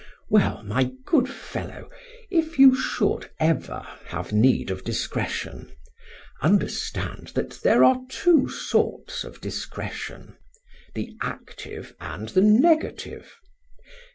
Well, my good fellow, if you should ever have need of discretion, understand that there are two sorts of discretion the active and the negative.